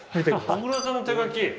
小倉さんの手描き？